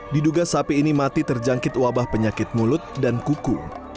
diduga sapi ini mati terjangkit wabah penyakit mulut dan kuku